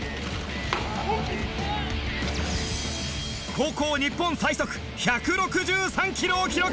高校日本最速１６３キロを記録！